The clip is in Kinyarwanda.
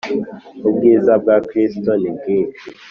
Ubwiza bwa Kristo nibwishi.